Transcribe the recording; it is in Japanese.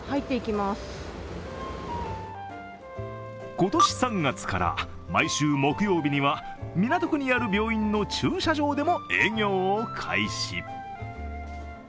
今年３月から、毎週木曜日には港区にある病院の駐車場でも営業を開始。